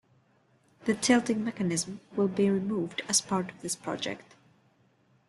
The tilting mechanisms will be removed as part of this project.